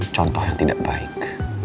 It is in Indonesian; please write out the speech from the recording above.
contoh yang tidak baik